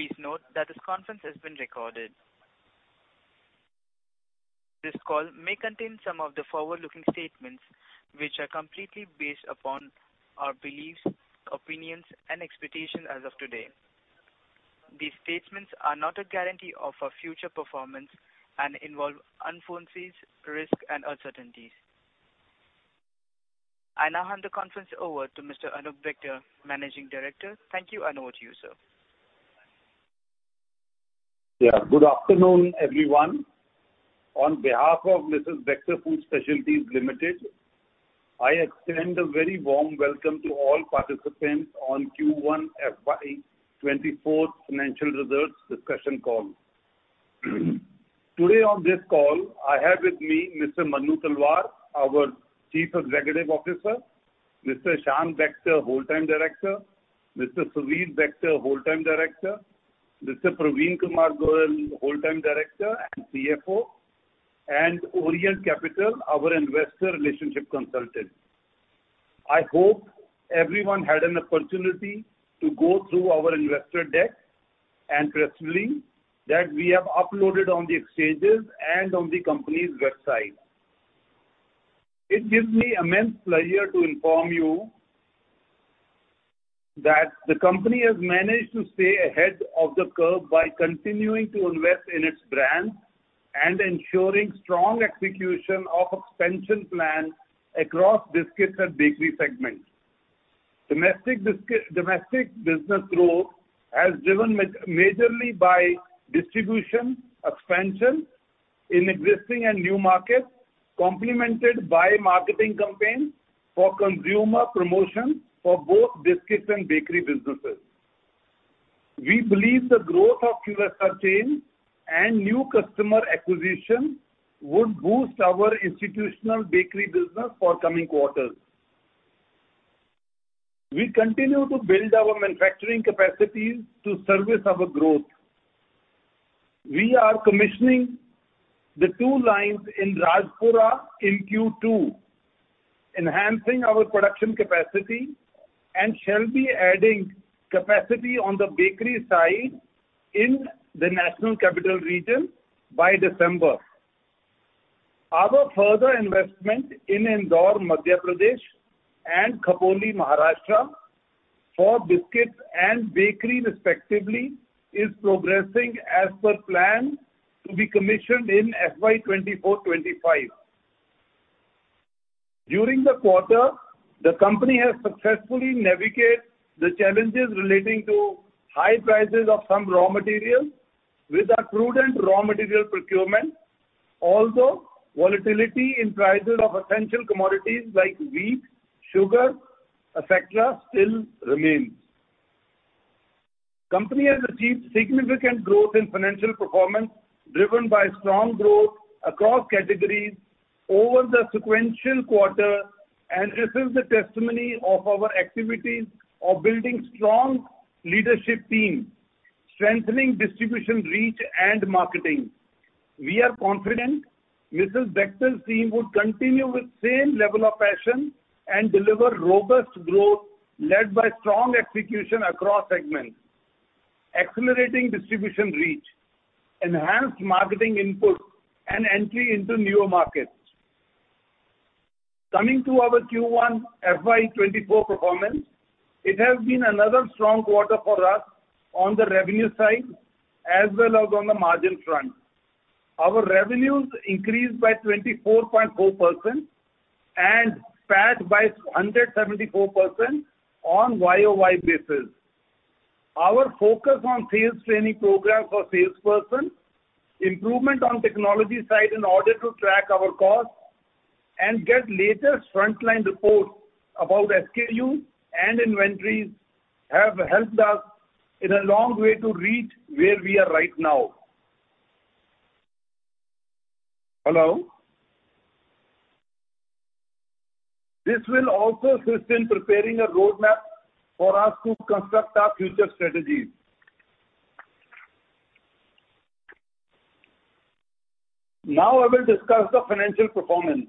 Please note that this conference has been recorded. This call may contain some of the forward-looking statements which are completely based upon our beliefs, opinions, and expectations as of today. These statements are not a guarantee of our future performance and involve unforeseen risks and uncertainties. I now hand the conference over to Mr. Anoop Bector, Managing Director. Thank you, Anup, to you, sir. Yeah. Good afternoon, everyone. On behalf of Mrs. Bectors Food Specialities Limited, I extend a very warm welcome to all participants on Q1 FY24 financial results discussion call. Today on this call, I have with me Mr. Manu Talwar, our Chief Executive Officer, Mr. Ishaan Bector, Whole-Time Director, Mr. Suvir Bector, Whole-Time Director, Mr. Parveen Kumar Goel, Whole-Time Director and CFO, and Orient Capital, our Investor Relationship Consultant. I hope everyone had an opportunity to go through our investor deck and press release that we have uploaded on the exchanges and on the company's website. It gives me immense pleasure to inform you that the company has managed to stay ahead of the curve by continuing to invest in its brand and ensuring strong execution of expansion plans across biscuits and bakery segments Domestic business growth has driven majorly by distribution, expansion in existing and new markets, complemented by marketing campaigns for consumer promotion for both biscuits and bakery businesses. We believe the growth of QSR chain and new customer acquisition would boost our institutional bakery business for coming quarters. We continue to build our manufacturing capacities to service our growth. We are commissioning the two lines in Rajpura in Q2, enhancing our production capacity, and shall be adding capacity on the bakery side in the National Capital Region by December. Our further investment in Indore, Madhya Pradesh, and Khopoli, Maharashtra for biscuits and bakery, respectively, is progressing as per plan to be commissioned in FY2024-25. During the quarter, the company has successfully navigated the challenges relating to high prices of some raw materials with a prudent raw material procurement, although volatility in prices of essential commodities like wheat, sugar, etc., still remains. The company has achieved significant growth in financial performance driven by strong growth across categories over the sequential quarter, and this is the testimony of our activities of building strong leadership teams, strengthening distribution reach, and marketing. We are confident Mrs. Bector's team would continue with the same level of passion and deliver robust growth led by strong execution across segments, accelerating distribution reach, enhanced marketing input, and entry into newer markets. Coming to our Q1 FY 2024 performance, it has been another strong quarter for us on the revenue side as well as on the margin front. Our revenues increased by 24.4% and EBITDA by 174% on YOY basis. Our focus on sales training programs for salespersons, improvement on technology side in order to track our costs, and get latest frontline reports about SKUs and inventories have helped us in a long way to reach where we are right now. Hello? This will also assist in preparing a roadmap for us to construct our future strategies. Now I will discuss the financial performance.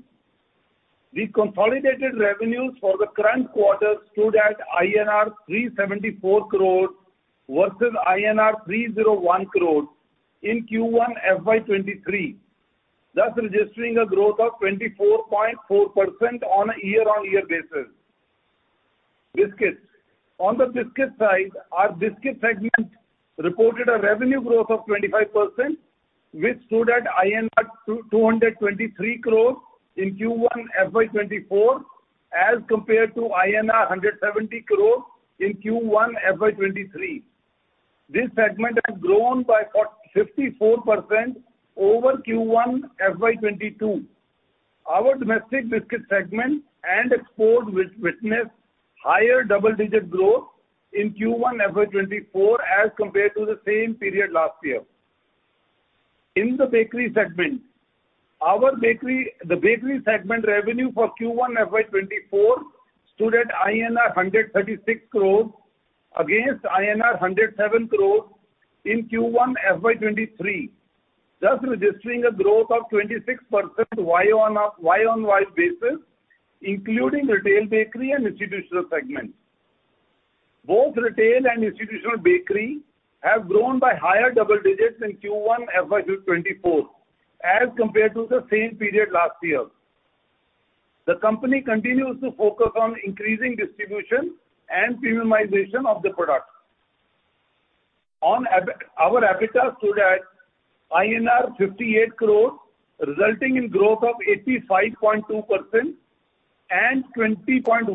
The consolidated revenues for the current quarter stood at INR 374 crores versus INR 301 crores in Q1 FY23, thus registering a growth of 24.4% on a year-over-year basis. Biscuits: On the biscuits side, our biscuit segment reported a revenue growth of 25%, which stood at INR 223 crores in Q1 FY24 as compared to INR 170 crores in Q1 FY23. This segment has grown by 54% over Q1 FY22. Our domestic biscuit segment and exports witnessed higher double-digit growth in Q1 FY24 as compared to the same period last year. In the bakery segment: The bakery segment revenue for Q1 FY24 stood at INR 136 crores against INR 107 crores in Q1 FY23, thus registering a growth of 26% YOY basis, including retail bakery and institutional segments. Both retail and institutional bakery have grown by higher double digits in Q1 FY24 as compared to the same period last year. The company continues to focus on increasing distribution and premiumization of the products. Our EBITDA stood at INR 58 crores, resulting in growth of 85.2% and 20.1%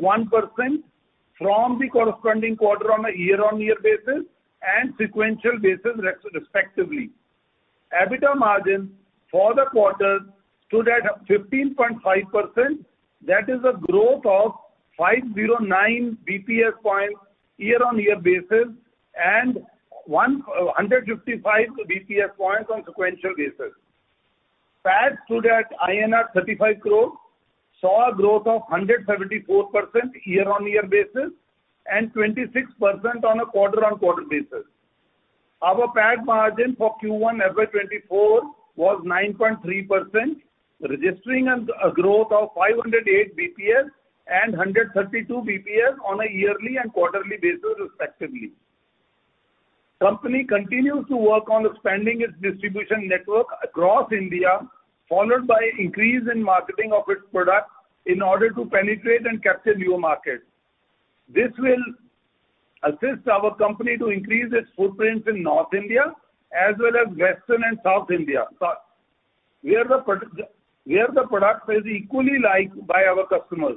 from the corresponding quarter on a year-over-year basis and sequential basis, respectively. EBITDA margin for the quarter stood at 15.5%. That is a growth of 509 BPS points year-over-year basis and 155 BPS points on sequential basis. PAT stood at INR 35 crores, saw a growth of 174% year-over-year basis and 26% on a quarter-over-quarter basis. Our PAT margin for Q1 FY 2024 was 9.3%, registering a growth of 508 basis points and 132 basis points on a yearly and quarterly basis, respectively. The company continues to work on expanding its distribution network across India, followed by an increase in marketing of its products in order to penetrate and capture newer markets. This will assist our company to increase its footprints in North India as well as Western and South India, where the product is equally liked by our customers.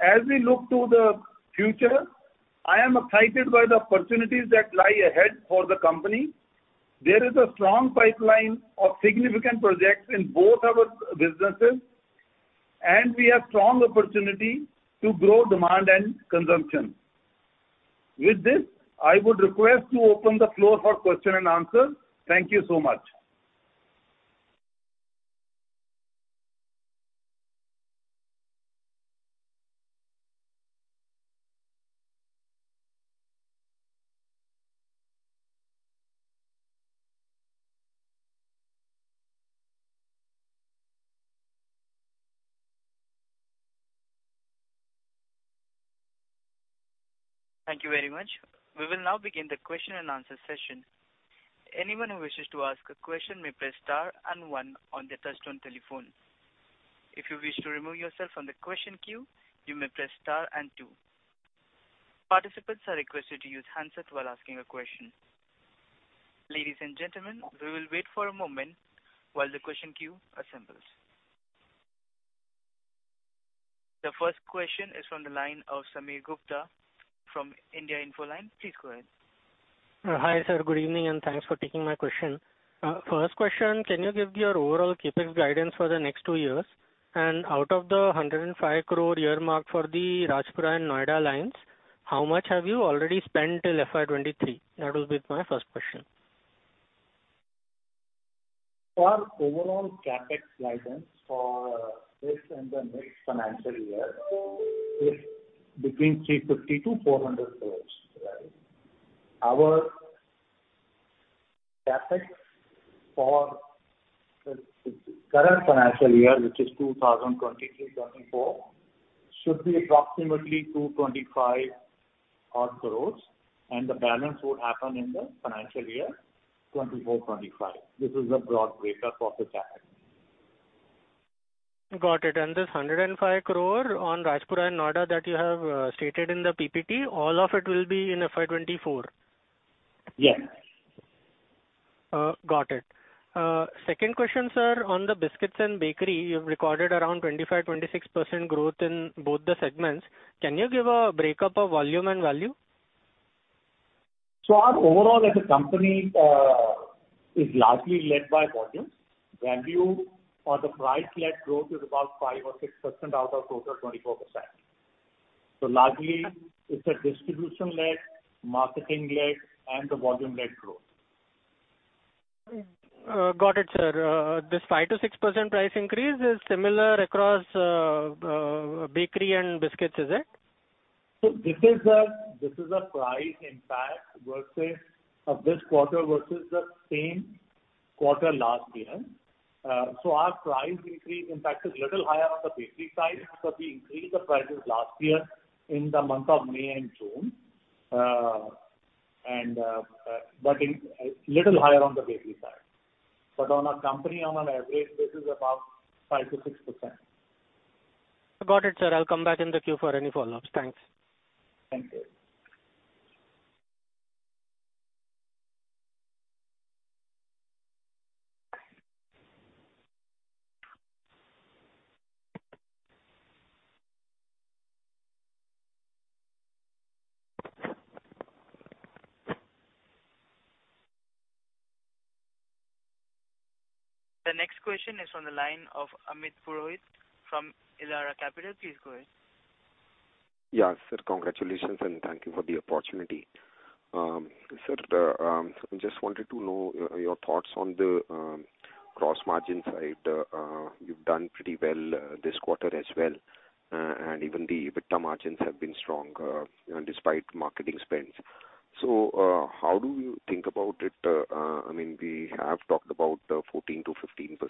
As we look to the future, I am excited by the opportunities that lie ahead for the company. There is a strong pipeline of significant projects in both our businesses, and we have strong opportunities to grow demand and consumption. With this, I would request to open the floor for questions and answers. Thank you so much. Thank you very much. We will now begin the question-and-answer session. Anyone who wishes to ask a question may press star and one on the touch-tone telephone. If you wish to remove yourself from the question queue, you may press star and two. Participants are requested to use hands up while asking a question. Ladies and gentlemen, we will wait for a moment while the question queue assembles. The first question is from the line of Sameer Gupta from IIFL Securities. Please go ahead. Hi, sir. Good evening, and thanks for taking my question. First question, can you give your overall CapEx guidance for the next two years? And out of the 105 crore year mark for the Rajpura and Noida lines, how much have you already spent till FY23? That will be my first question. Our overall CapEx guidance for this and the next financial year is between INR 350-INR 400 crores, right? Our CapEx for the current financial year, which is 2023-24, should be approximately 225 odd crores, and the balance would happen in the financial year 2024-25. This is the broad breakup of the CapEx. Got it. This 105 crore on Rajpura and Noida that you have stated in the PPT, all of it will be in FY2024? Yes. Got it. Second question, sir. On the biscuits and bakery, you've recorded around 25%-26% growth in both the segments. Can you give a breakup of volume and value? So our overall as a company is largely led by volume. Value or the price-led growth is about 5% or 6% out of total 24%. So largely, it's a distribution-led, marketing-led, and the volume-led growth. Got it, sir. This 5%-6% price increase is similar across bakery and biscuits, is it? So this is a price, in fact, of this quarter versus the same quarter last year. So our price increase, in fact, is a little higher on the bakery side because we increased the prices last year in the month of May and June, but a little higher on the bakery side. But on our company, on an average, this is about 5%-6%. Got it, sir. I'll come back in the queue for any follow-ups. Thanks. Thank you. The next question is from the line of Amit Purohit from Elara Capital. Please go ahead. Yes, sir. Congratulations, and thank you for the opportunity. Sir, I just wanted to know your thoughts on the cross-margin side. You've done pretty well this quarter as well, and even the EBITDA margins have been strong despite marketing spends. So how do you think about it? I mean, we have talked about the 14%-15%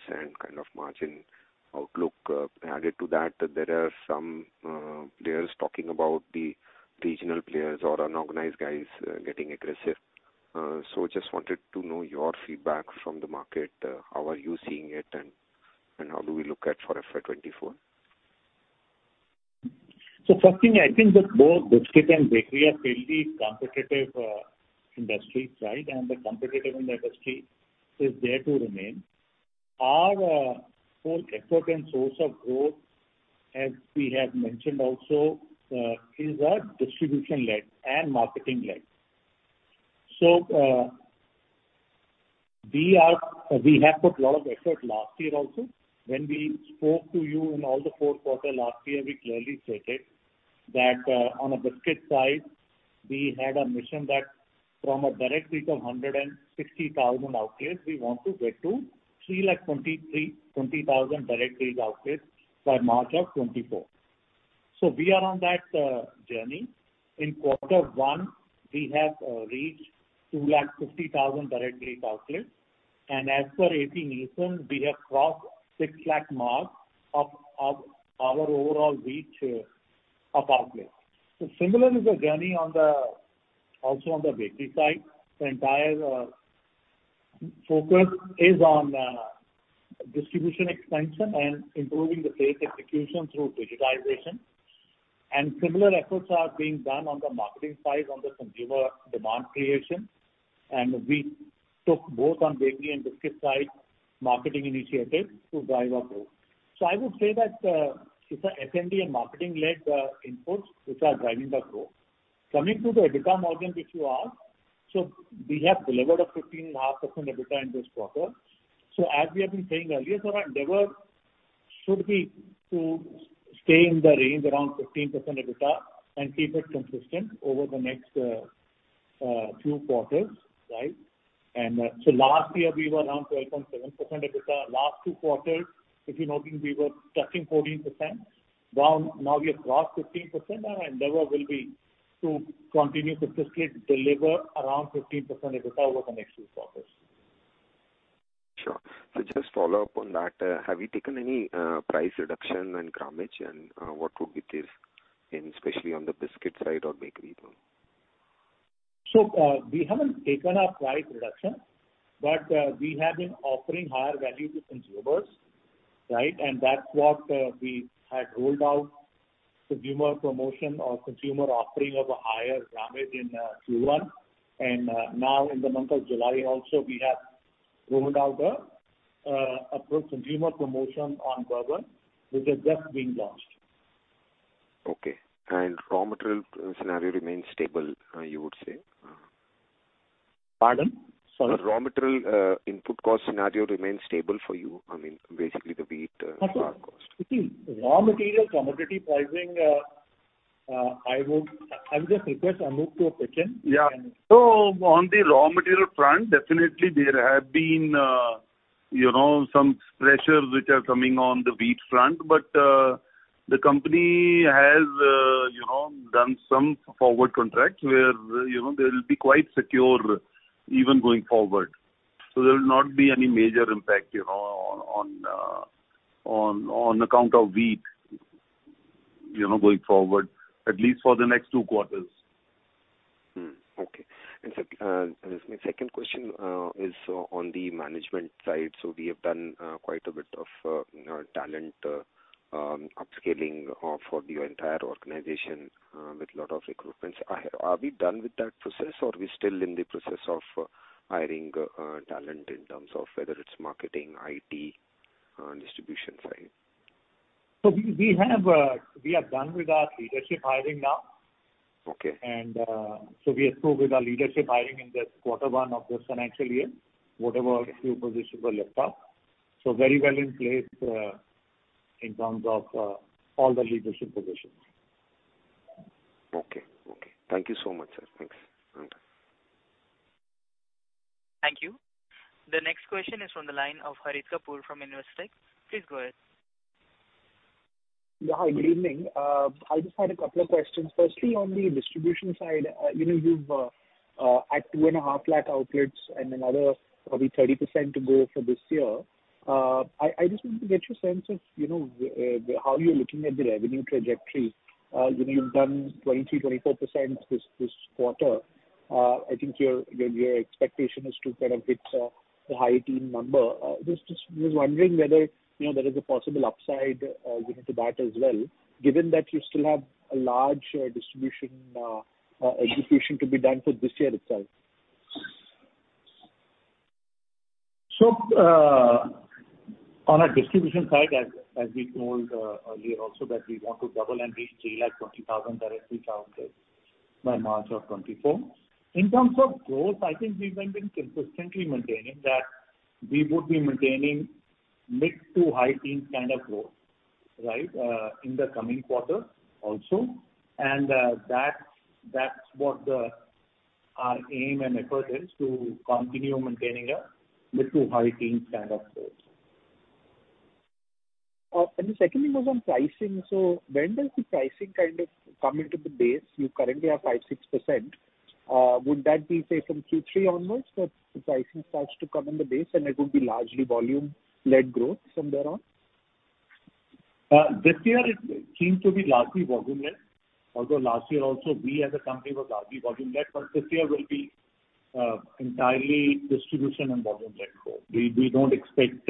kind of margin outlook. Added to that, there are some players talking about the regional players or unorganized guys getting aggressive. So I just wanted to know your feedback from the market. How are you seeing it, and how do we look at for FY24? So first thing, I think that both biscuits and bakery are fairly competitive industries, right? And the competitiveness in the industry is there to remain. Our whole effort and source of growth, as we have mentioned also, is distribution-led and marketing-led. So we have put a lot of effort last year also. When we spoke to you in all the four quarters last year, we clearly stated that on the biscuits side, we had a mission that from a direct reach of 160,000 outlets, we want to get to 320,000 direct reach outlets by March of 2024. So we are on that journey. In quarter one, we have reached 250,000 direct reach outlets. And as per NielsenIQ, we have crossed 600,000 marks of our overall reach of outlets. So similar is the journey also on the bakery side. The entire focus is on distribution expansion and improving the sales execution through digitization. Similar efforts are being done on the marketing side on the consumer demand creation. We took both on bakery and biscuits side marketing initiatives to drive our growth. So I would say that it's S&D and marketing-led inputs which are driving the growth. Coming to the EBITDA margin, if you ask, we have delivered a 15.5% EBITDA in this quarter. As we have been saying earlier, sir, our endeavor should be to stay in the range around 15% EBITDA and keep it consistent over the next few quarters, right? Last year, we were around 12.7% EBITDA. Last two quarters, if you're noting, we were touching 14%. Now we have crossed 15%, and our endeavor will be to continue consistently deliver around 15% EBITDA over the next few quarters. Sure. Just follow up on that. Have you taken any price reduction and grammage, and what would be this, especially on the biscuit side or bakery? So we haven't taken a price reduction, but we have been offering higher value to consumers, right? And that's what we had rolled out: consumer promotion or consumer offering of a higher grammage in Q1. And now, in the month of July also, we have rolled out a consumer promotion on Bourbon, which is just being launched. Okay. And raw material scenario remains stable, you would say? Pardon? Sorry. But raw material input cost scenario remains stable for you? I mean, basically, the wheat flour cost. Raw material commodity pricing. I would just request a move to a kitchen. Yeah. On the raw material front, definitely, there have been some pressures which are coming on the wheat front. But the company has done some forward contracts where they will be quite secure even going forward. So there will not be any major impact on account of wheat going forward, at least for the next two quarters. Okay. And sir, just my second question is on the management side. So we have done quite a bit of talent upscaling for your entire organization with a lot of recruitments. Are we done with that process, or are we still in the process of hiring talent in terms of whether it's marketing, IT, distribution side? So we have done with our leadership hiring now. So we approve with our leadership hiring in this quarter one of this financial year, whatever few positions were left up. So very well in place in terms of all the leadership positions. Okay. Okay. Thank you so much, sir. Thanks. Thank you. The next question is from the line of Harit Kapoor from Investec. Please go ahead. Yeah. Hi. Good evening. I just had a couple of questions. Firstly, on the distribution side, you've had 250,000 outlets and another probably 30% to go for this year. I just wanted to get your sense of how you're looking at the revenue trajectory. You've done 23%-24% this quarter. I think your expectation is to kind of hit the high-teens number. I was wondering whether there is a possible upside to that as well, given that you still have a large distribution execution to be done for this year itself. So on our distribution side, as we told earlier also that we want to double and reach 320,000 direct outlets by March 2024. In terms of growth, I think we've been consistently maintaining that we would be maintaining mid- to high-teens kind of growth, right, in the coming quarter also. That's what our aim and effort is to continue maintaining a mid- to high-teens kind of growth. The second thing was on pricing. So when does the pricing kind of come into the base? You currently have 5%-6%. Would that be, say, from Q3 onwards that the pricing starts to come in the base, and it would be largely volume-led growth from there on? This year, it seems to be largely volume-led, although last year also, we as a company were largely volume-led. But this year will be entirely distribution- and volume-led growth. We don't expect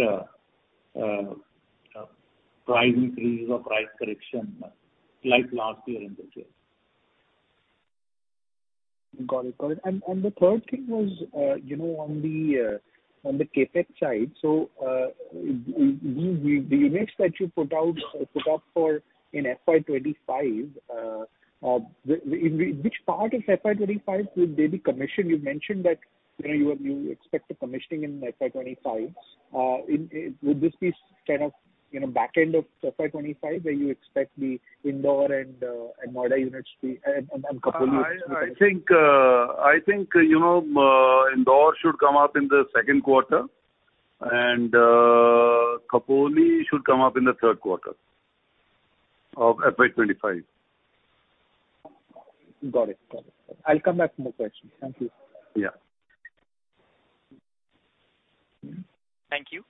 price increases or price correction like last year in this year. Got it. Got it. The third thing was on the CapEx side. So the units that you put up for in FY 2025, which part of FY 2025 will they be commissioned? You mentioned that you expect the commissioning in FY25. Would this be kind of back end of FY25 where you expect the Indore and Noida units to be and Khopoli units to be commissioned? I think Indore should come up in the second quarter, and Khopoli should come up in the third quarter of FY25. Got it. Got it. I'll come back with more questions. Thank you. Yeah. Thank you.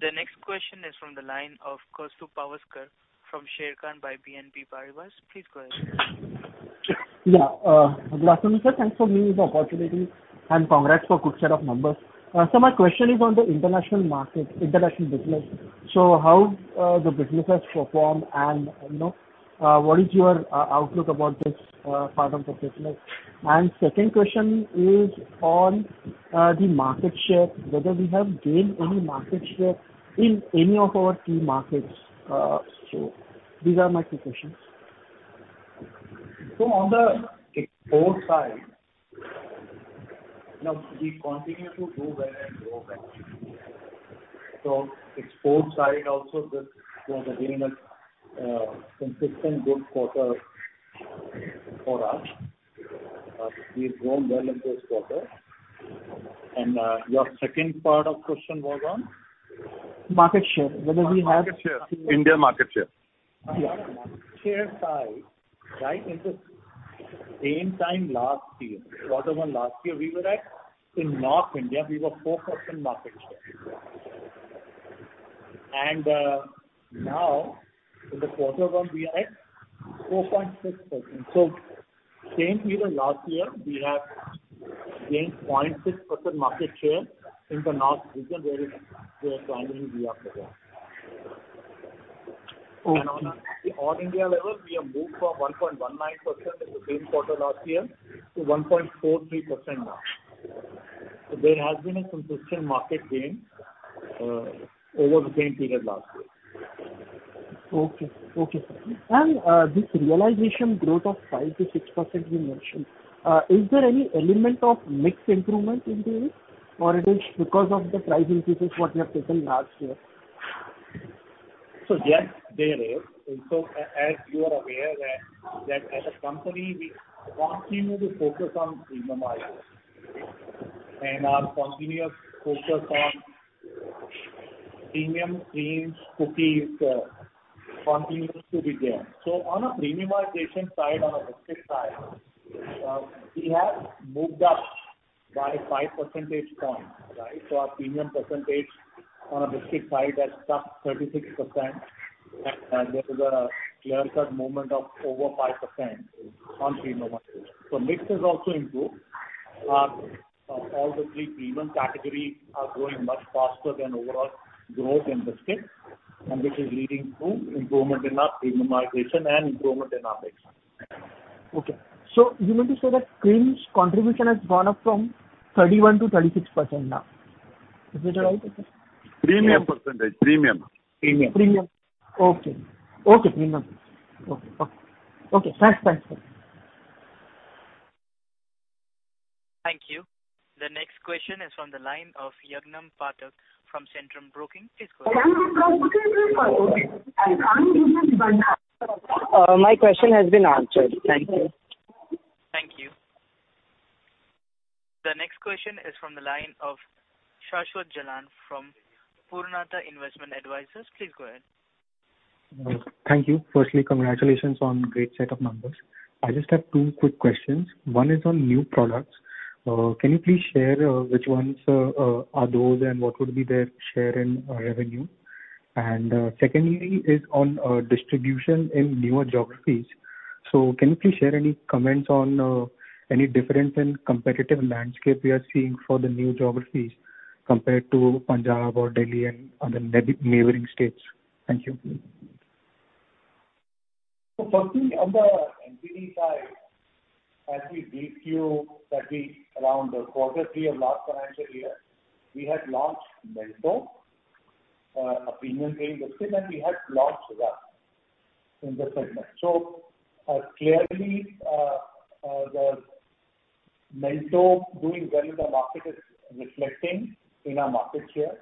The next question is from the line of Kaustubh Pawaskar from Sharekhan by BNP Paribas. Please go ahead. Yeah. Good afternoon, sir. Thanks for giving me the opportunity, and congrats for a good set of numbers. My question is on the international market, international business. How the business has performed, and what is your outlook about this part of the business? Second question is on the market share, whether we have gained any market share in any of our key markets. These are my two questions. So on the export side, we continue to do well and grow well. So export side also, this was again a consistent good quarter for us. We've grown well in this quarter. And your second part of question was on? Market share, whether we have. Market share. India market share. Yeah. On our market share side, right, in the same time last year, quarter one last year, in North India, we were 4% market share. And now, in the quarter one, we are at 4.6%. So same year as last year, we have gained 0.6% market share in the North region where we are currently in GRPA. And on the all-India level, we have moved from 1.19% in the same quarter last year to 1.43% now. So there has been a consistent market gain over the same period last year. Okay. Okay. This realization growth of 5%-6% you mentioned, is there any element of mixed improvement in this, or is it because of the price increases what you have taken last year? So yes, there is. And so as you are aware, that as a company, we continue to focus on premiumizing and our continuous focus on premium cream cookies continues to be there. So on a premiumization side, on a biscuit side, we have moved up by 5 percentage points, right? So our premium percentage on a biscuit side has touched 36%. There was a clear-cut movement of over 5% on premiumization. So mix has also improved. All the three premium categories are growing much faster than overall growth in biscuits, and which is leading to improvement in our premiumization and improvement in our mix. Okay. So you meant to say that Cremica's contribution has gone up from 31%-36% now. Is that right? Premium percentage. Premium. Premium. Premium. Okay. Okay. Premium. Okay. Okay. Okay. Thanks. Thanks. Thank you. The next question is from the line of Yagnik Pathak from Centrum Broking. Please go ahead. My question has been answered. Thank you. Thank you. The next question is from the line of Shashwat Jalan from Purnartha Investment Advisers. Please go ahead. Thank you. Firstly, congratulations on a great set of numbers. I just have two quick questions. One is on new products. Can you please share which ones are those, and what would be their share in revenue? And secondly is on distribution in newer geographies. So can you please share any comments on any difference in competitive landscape we are seeing for the new geographies compared to Punjab or Delhi and other neighboring states? Thank you. So firstly, on the NPD side, as we briefed you that we around quarter three of last financial year, we had launched Memento, a premium cream biscuit, and we had launched Rusk in the segment. So clearly, the Memento doing well in the market is reflecting in our market share.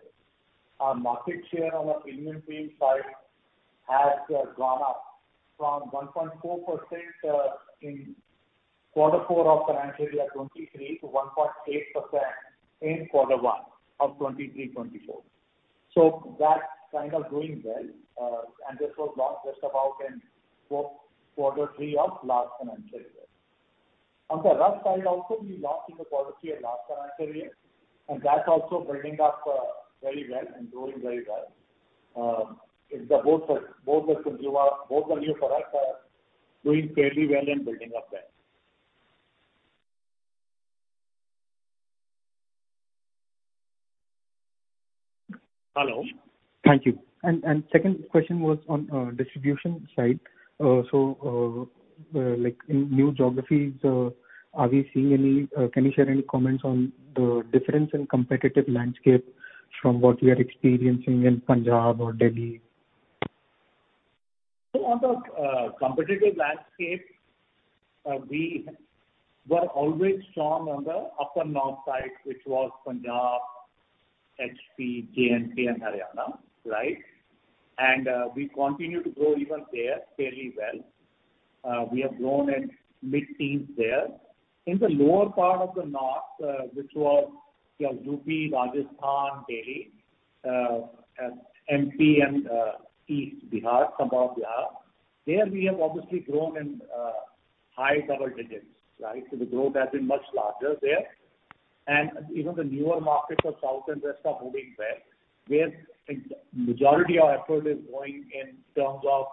Our market share on a premium cream side has gone up from 1.4% in quarter four of financial year 2023 to 1.8% in quarter one of 2023-24. So that's kind of going well. And this was launched just about in quarter three of last financial year. On the Rusk side also, we launched in the quarter three of last financial year, and that's also building up very well and growing very well. Both the new products are doing fairly well and building up well. Hello. Thank you. Second question was on distribution side. So in new geographies, are we seeing any? Can you share any comments on the difference in competitive landscape from what we are experiencing in Punjab or Delhi? So on the competitive landscape, we were always strong on the upper north side, which was Punjab, HP, J&K, and Haryana, right? And we continue to grow even there fairly well. We have grown in mid-teens there. In the lower part of the north, which was UP, Rajasthan, Delhi, MP, and East Bihar, some part of Bihar, there we have obviously grown in high double digits, right? So the growth has been much larger there. And even the newer markets of south and west are moving well, where the majority of effort is going in terms of.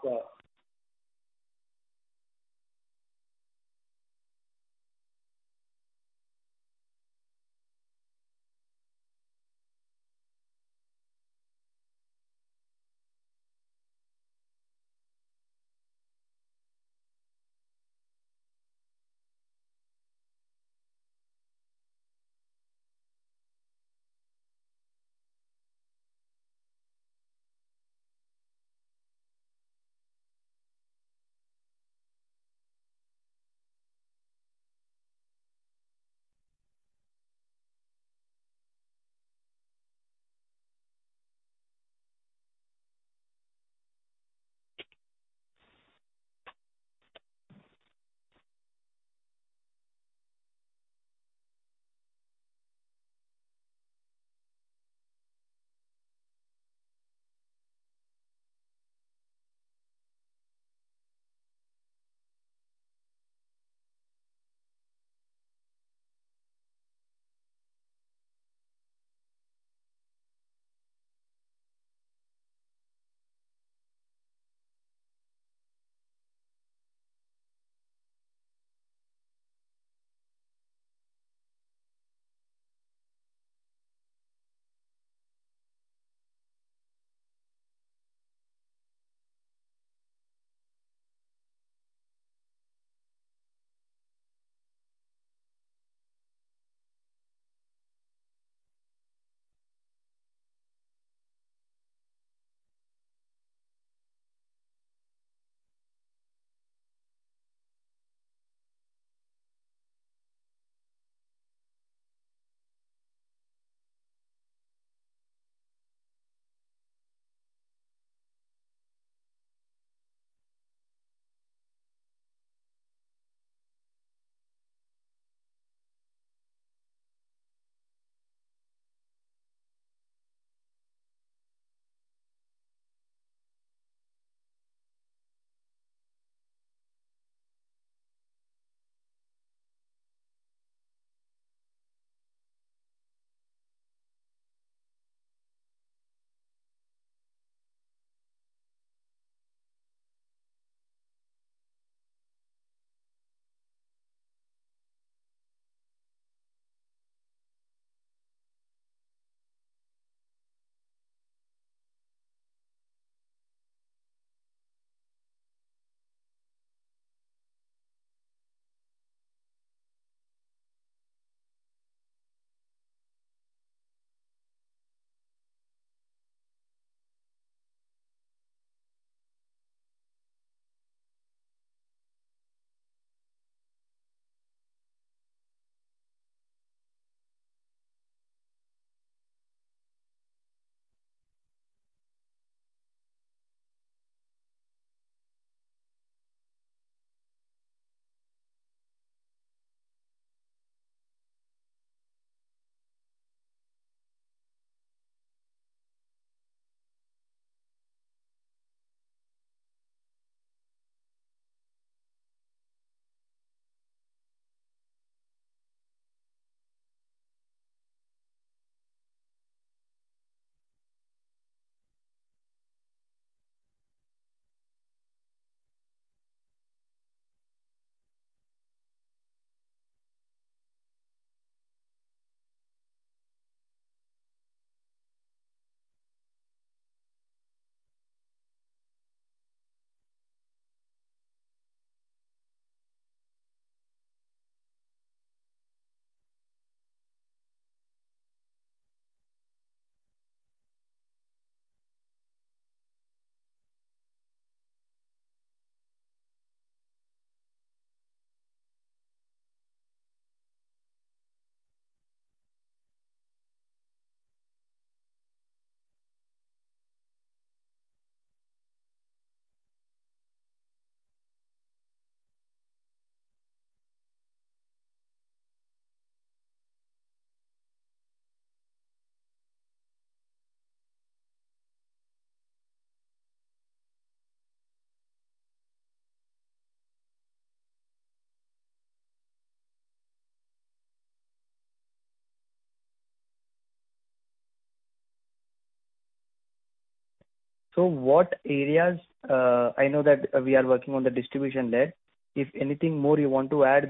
What areas? I know that we are working on the distribution-led. If anything more you want to add,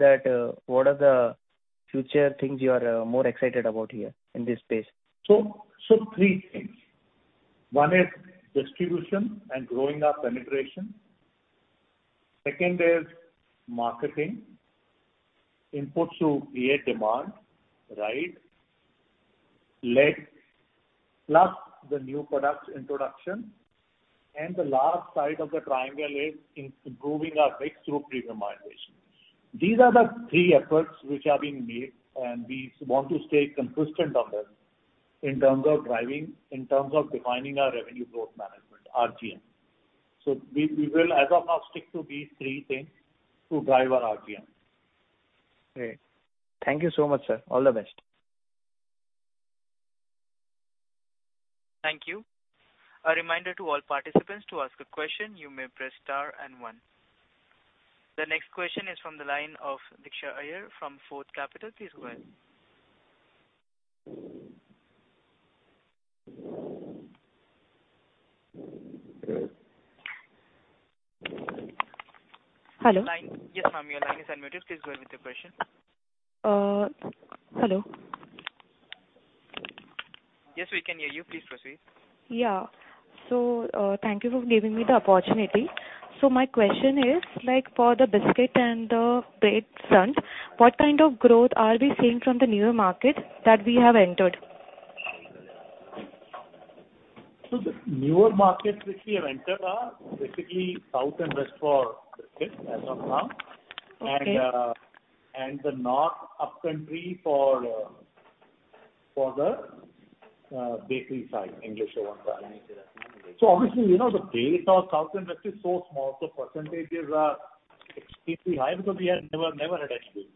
what are the future things you are more excited about here in this space? Three things. One is distribution and growing our penetration. Second is marketing inputs to create demand, right, plus the new products introduction. The last side of the triangle is improving our mix through premiumization. These are the three efforts which are being made, and we want to stay consistent on this in terms of driving, in terms of defining our revenue growth management, RGM. We will, as of now, stick to these three things to drive our RGM. Great. Thank you so much, sir. All the best. Thank you. A reminder to all participants to ask a question. You may press star and one. The next question is from the line of Diksha Iyer from Quest Investment Advisors. Please go ahead. Hello. Yes, ma'am. Your line is unmuted. Please go ahead with your question. Hello. Yes, we can hear you. Please proceed. Yeah. Thank you for giving me the opportunity. My question is, for the biscuit and the bread front, what kind of growth are we seeing from the newer market that we have entered? So the newer markets which we have entered are basically South and West for biscuits, as of now, and the North upcountry for the bakery side, English Oven. So obviously, the base of South and West is so small, so percentages are extremely high because we have never had any base.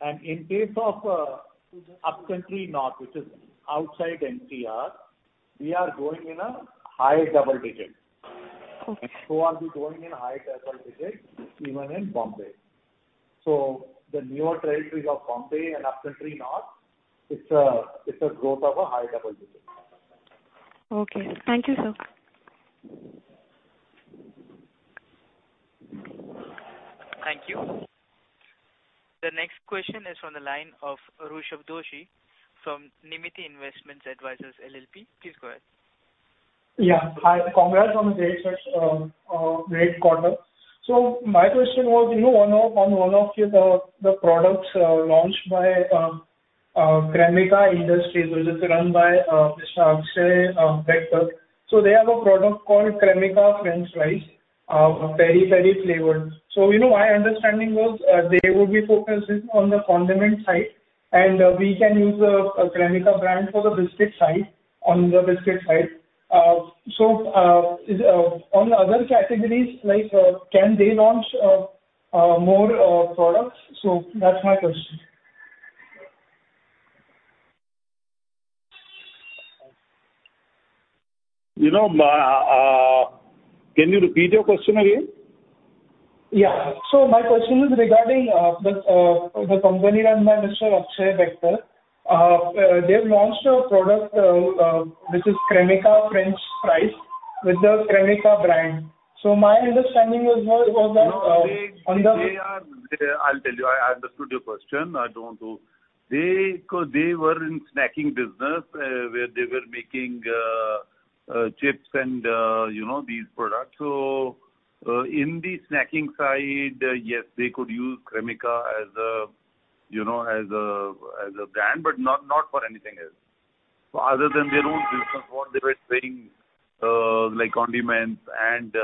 And in case of upcountry North, which is outside NCR, we are going in a high double digit. So are we going in high double digit even in Mumbai? So the newer territories of Mumbai and upcountry North, it's a growth of a high double digit. Okay. Thank you, sir. Thank you. The next question is from the line of Rushabh Doshi from Nirmiti Investment Advisors, LLP. Please go ahead. Yeah. Hi. Congrats on the great quarter. So my question was, on one of the products launched by Cremica Food Industries, which is run by Mr. Akshay Bector. So they have a product called Cremica French Fries, Peri Peri flavored. So my understanding was they would be focusing on the condiment side, and we can use the Cremica brand for the biscuit side, on the biscuit side. So on the other categories, can they launch more products? So that's my question. Can you repeat your question again? Yeah. So my question is regarding the company run by Mr. Akshay Bector. They've launched a product which is Cremica French Fries with the Cremica brand. So my understanding was that on the. No, I'll tell you. I understood your question. I don't know. They were in snacking business where they were making chips and these products. So in the snacking side, yes, they could use Cremica as a brand, but not for anything else. Other than their own business, what they were doing like condiments and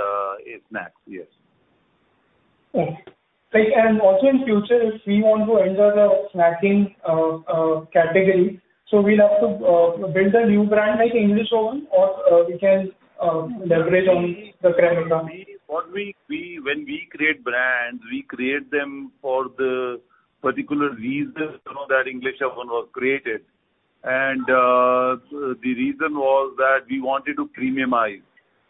snacks, yes. Okay. And also in future, if we want to enter the snacking category, so we'll have to build a new brand like English Oven, or we can leverage only the Cremica? When we create brands, we create them for the particular reason that English Oven was created. The reason was that we wanted to premiumize.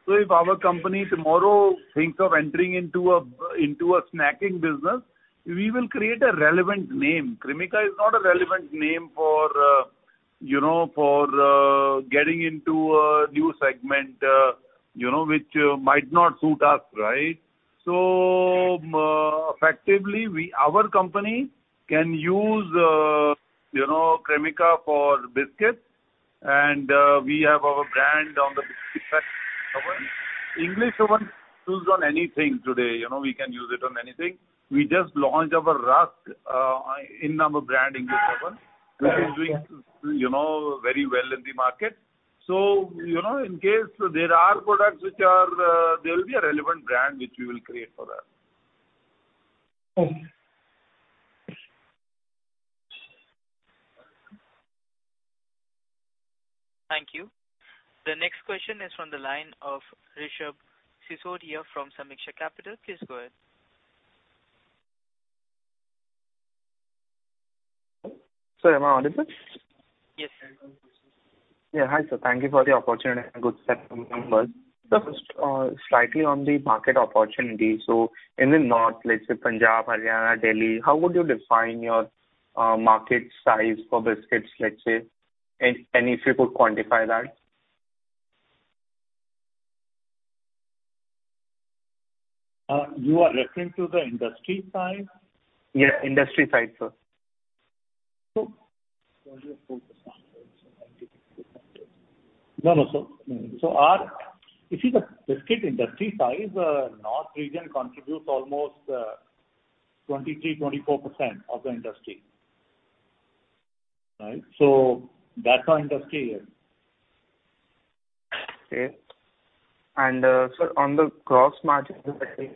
So if our company tomorrow thinks of entering into a snacking business, we will create a relevant name. Cremica is not a relevant name for getting into a new segment which might not suit us, right? So effectively, our company can use Cremica for biscuits, and we have our brand on the English Oven. English Oven is used on anything today. We can use it on anything. We just launched our Rusk in our brand, English Oven, which is doing very well in the market. So in case there are products which are there will be a relevant brand which we will create for that. Okay. Thank you. The next question is from the line of Rishabh Sisodiya from Samiksha Capital. Please go ahead. Sorry, ma'am. What is it? Yes. Yeah. Hi, sir. Thank you for the opportunity and good set of numbers. First, slightly on the market opportunity. So in the north, let's say Punjab, Haryana, Delhi, how would you define your market size for biscuits, let's say? And if you could quantify that? You are referring to the industry size? Yes. Industry side, sir. No, no, sir. So if it's a biscuit industry size, north region contributes almost 23%-24% of the industry, right? So that's our industry, yes. Okay. Sir, on the gross margin, as you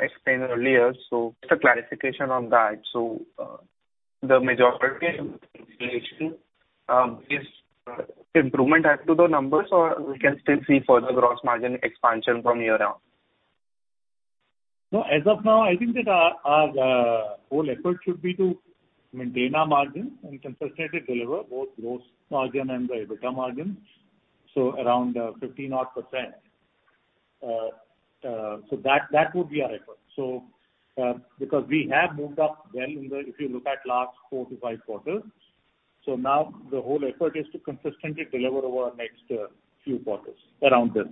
explained earlier, so just a clarification on that. So the majority of the improvement as to the numbers, or we can still see further gross margin expansion from year-on? No, as of now, I think that our whole effort should be to maintain our margin and consistently deliver both gross margin and the EBITDA margins, so around 50-odd%. So that would be our effort because we have moved up well in the if you look at last 4 to 5 quarters. So now the whole effort is to consistently deliver over our next few quarters around this.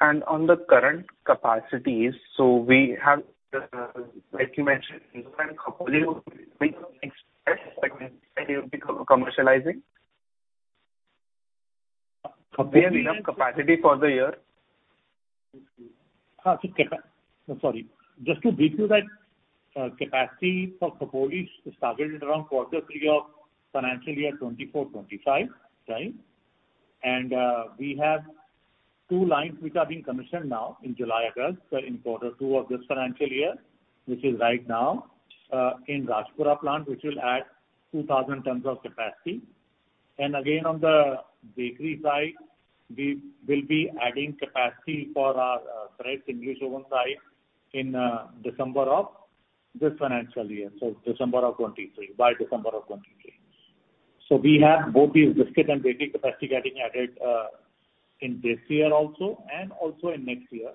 On the current capacities, so we have like you mentioned, is there any capacity for the next step? When you say they would be commercializing? Do you have enough capacity for the year? Sorry. Just to brief you, that capacity for Khopoli started around quarter three of financial year 2024/25, right? And we have two lines which are being commissioned now in July, August, in quarter two of this financial year, which is right now in Rajpura plant, which will add 2,000 tons of capacity. And again, on the bakery side, we will be adding capacity for our breads, English Oven side, in December of this financial year, so December of 2023, by December of 2023. So we have both these biscuit and bakery capacity getting added in this year also and also in next year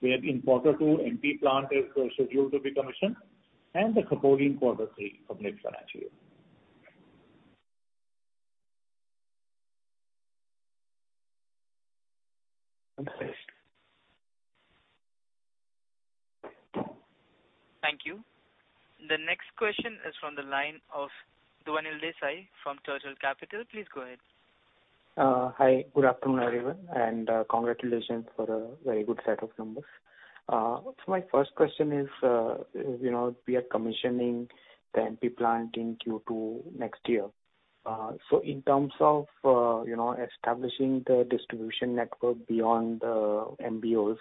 where in quarter two, MP plant is scheduled to be commissioned, and the Khopoli in quarter three of next financial year. Okay. Thank you. The next question is from the line of Dhwanil Desai from Turtle Capital. Please go ahead. Hi. Good afternoon, everyone, and congratulations for a very good set of numbers. So my first question is, we are commissioning the MP plant in Q2 next year. So in terms of establishing the distribution network beyond the MBOs,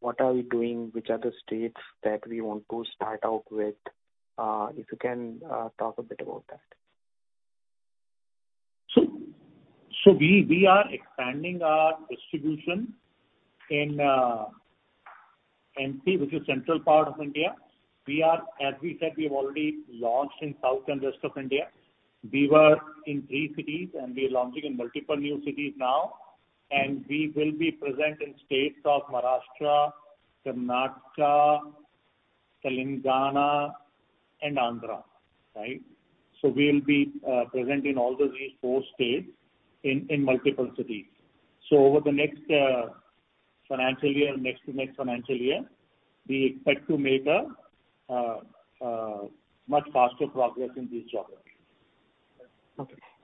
what are we doing? Which are the states that we want to start out with? If you can talk a bit about that. We are expanding our distribution in MP, which is central part of India. As we said, we have already launched in south and west of India. We were in three cities, and we are launching in multiple new cities now. We will be present in states of Maharashtra, Karnataka, Telangana, and Andhra, right? We will be present in all of these four states in multiple cities. Over the next financial year, next to next financial year, we expect to make a much faster progress in this job. Okay.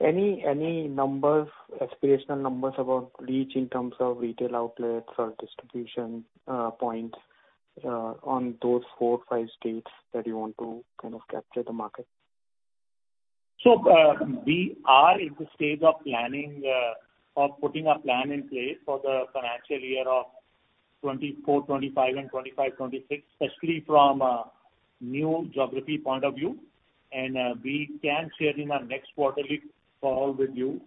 Any aspirational numbers about reach in terms of retail outlets or distribution points on those four, five states that you want to kind of capture the market? We are in the stage of putting a plan in place for the financial year of 2024/25 and 2025/26, especially from a new geography point of view. We can share in our next quarterly call with you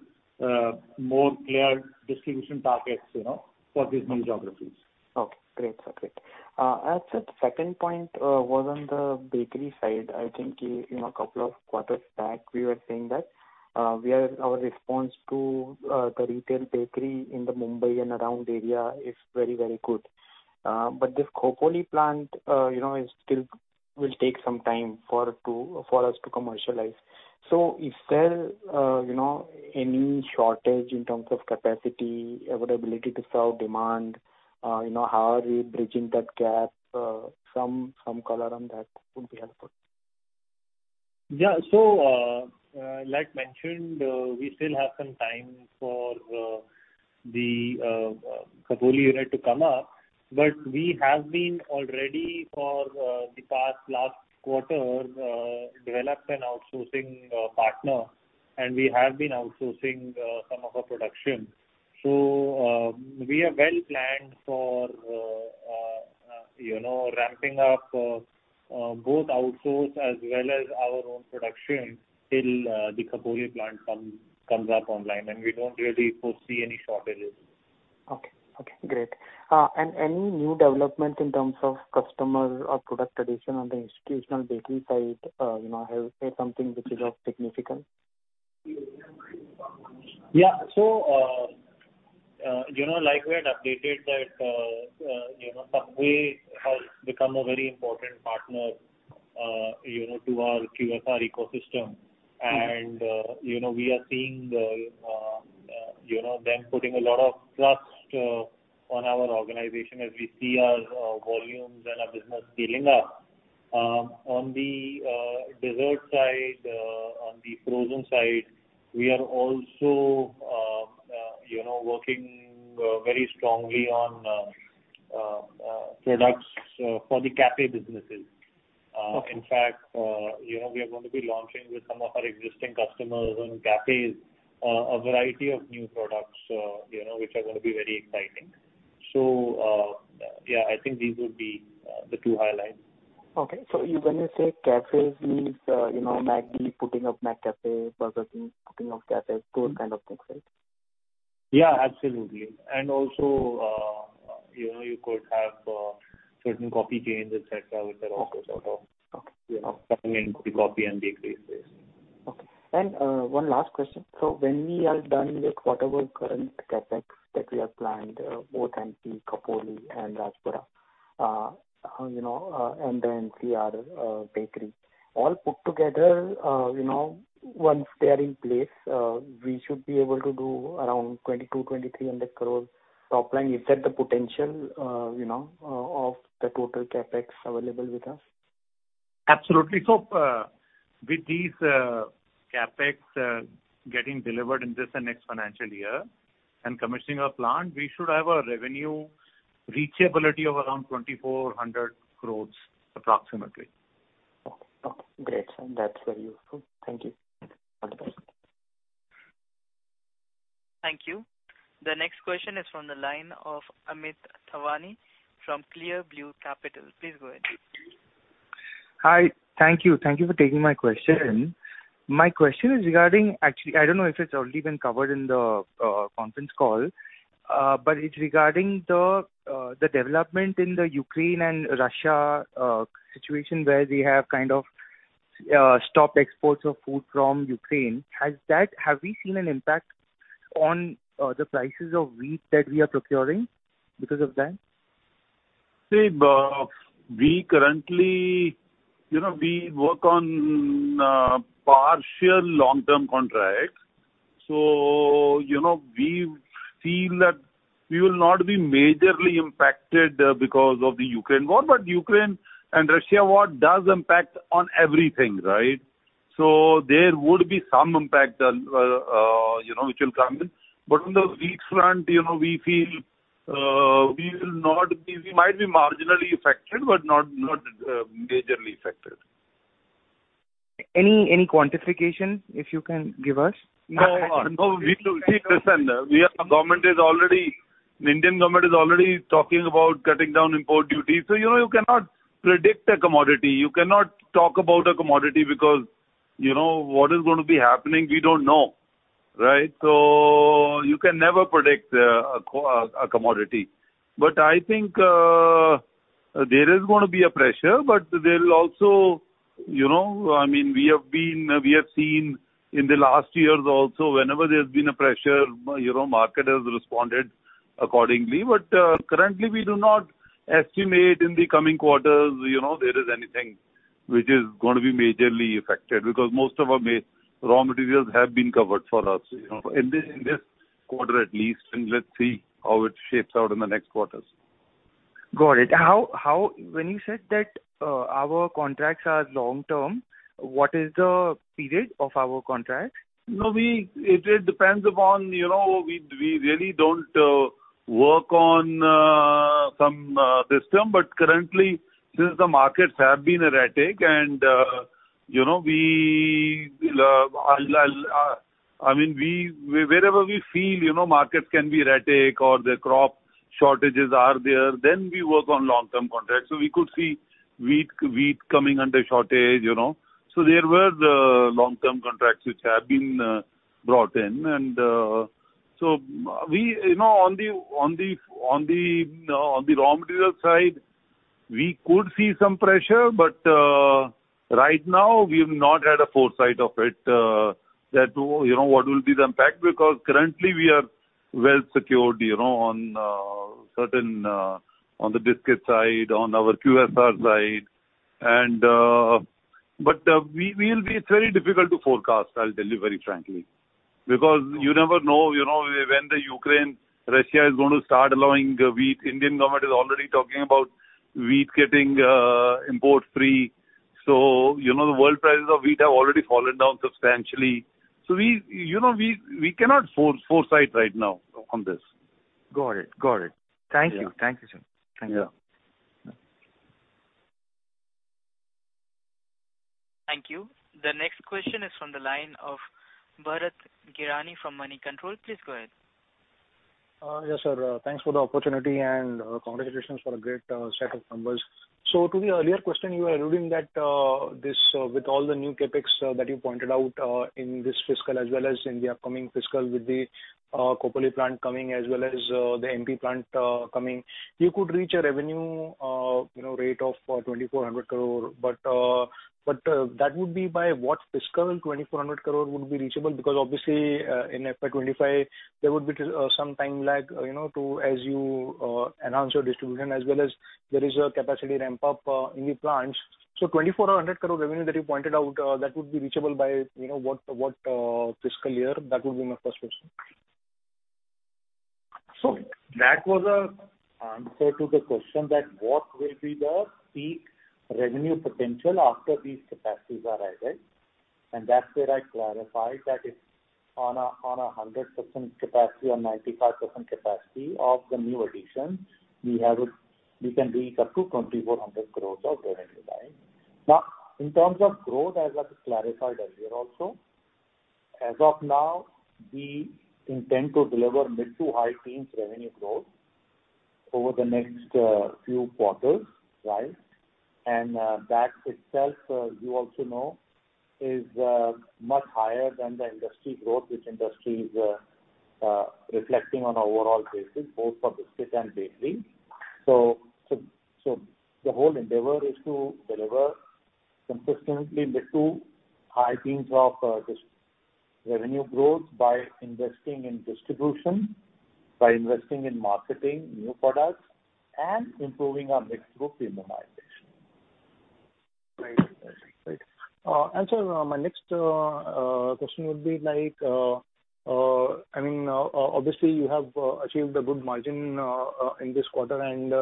more clear distribution targets for these new geographies. Okay. Great, sir. Great. As a second point was on the bakery side, I think a couple of quarters back, we were saying that our response to the retail bakery in the Mumbai and around area is very, very good. But this Khopoli plant still will take some time for us to commercialize. So if there's any shortage in terms of capacity, availability to serve demand, how are we bridging that gap? Some color on that would be helpful. Yeah. So, like mentioned, we still have some time for the Khopoli unit to come up. But we have been already for the past last quarter developed an outsourcing partner, and we have been outsourcing some of our production. So we are well planned for ramping up both outsource as well as our own production till the Khopoli plant comes up online. And we don't really foresee any shortages. Okay. Okay. Great. And any new development in terms of customer or product addition on the institutional bakery side? Have you heard something which is significant? Yeah. So like we had updated that Subway has become a very important partner to our QSR ecosystem. And we are seeing them putting a lot of trust on our organization as we see our volumes and our business scaling up. On the dessert side, on the frozen side, we are also working very strongly on products for the café businesses. In fact, we are going to be launching with some of our existing customers and cafés a variety of new products which are going to be very exciting. So yeah, I think these would be the two highlights. Okay. So when you say cafés, means putting up McCafé, Burger King, putting up cafés, those kind of things, right? Yeah, absolutely. And also you could have certain coffee chains, etc., which are also sort of coming into the coffee and bakery space. Okay. One last question. So when we are done with whatever current CapEx that we have planned, both MP, Khopoli, and Rajpura, and the NCR bakery, all put together, once they are in place, we should be able to do around 2,200-2,300 crore top line. Is that the potential of the total CapEx available with us? Absolutely. So with these CapEx getting delivered in this and next financial year and commissioning our plant, we should have a revenue reachability of around 2,400 crore approximately. Okay. Okay. Great, sir. That's very useful. Thank you. All the best. Thank you. The next question is from the line of Amit Thawani from Care Portfolio Managers. Please go ahead. Hi. Thank you. Thank you for taking my question. My question is regarding actually, I don't know if it's already been covered in the conference call, but it's regarding the development in the Ukraine and Russia situation where they have kind of stopped exports of food from Ukraine. Have we seen an impact on the prices of wheat that we are procuring because of that? See, we currently work on partial long-term contracts. So we feel that we will not be majorly impacted because of the Ukraine war. But the Ukraine and Russia war does impact on everything, right? So there would be some impact which will come in. But on the wheat front, we feel we might be marginally affected but not majorly affected. Any quantification if you can give us? No, no. Listen, the Indian government is already talking about cutting down import duties. So you cannot predict a commodity. You cannot talk about a commodity because what is going to be happening, we don't know, right? So you can never predict a commodity. But I think there is going to be a pressure, but there will also, I mean, we have seen in the last years also, whenever there's been a pressure, the market has responded accordingly. But currently, we do not estimate in the coming quarters there is anything which is going to be majorly affected because most of our raw materials have been covered for us in this quarter at least. And let's see how it shapes out in the next quarters. Got it. When you said that our contracts are long-term, what is the period of our contracts? No, it depends upon, we really don't work on some system. But currently, since the markets have been erratic and we, I mean, wherever we feel markets can be erratic or the crop shortages are there, then we work on long-term contracts. So we could see wheat coming under shortage. So there were long-term contracts which have been brought in. And so on the raw materials side, we could see some pressure, but right now, we have not had a foresight of what will be the impact because currently, we are well secured on certain, on the biscuit side, on our QSR side. But it's very difficult to forecast, I'll tell you very frankly, because you never know when the Ukraine-Russia is going to start allowing wheat. The Indian government is already talking about wheat getting import-free. So the world prices of wheat have already fallen down substantially. We cannot foresee right now on this. Got it. Got it. Thank you. Thank you, sir. Thank you. Thank you. The next question is from the line of Bharat Giani from Moneycontrol. Please go ahead. Yes, sir. Thanks for the opportunity and congratulations for a great set of numbers. So to the earlier question, you were alluding that with all the new CapEx that you pointed out in this fiscal as well as in the upcoming fiscal with the Khopoli plant coming as well as the NP plant coming, you could reach a revenue rate of 2,400 crore. But that would be by what fiscal 2,400 crore would be reachable? Because obviously, in FY25, there would be some time lag as you enhance your distribution as well as there is a capacity ramp-up in the plants. So 2,400 crore revenue that you pointed out, that would be reachable by what fiscal year? That would be my first question. So that was an answer to the question that what will be the peak revenue potential after these capacities are added? And that's where I clarified that on a 100% capacity or 95% capacity of the new addition, we can reach up to 2,400 crores of revenue, right? Now, in terms of growth, as I clarified earlier also, as of now, we intend to deliver mid to high teens revenue growth over the next few quarters, right? And that itself, you also know, is much higher than the industry growth, which industry is reflecting on an overall basis, both for biscuit and bakery. So the whole endeavor is to deliver consistently mid to high teens of revenue growth by investing in distribution, by investing in marketing new products, and improving our mid-through premiumization. Right. Right. Sir, my next question would be, I mean, obviously, you have achieved a good margin in this quarter, and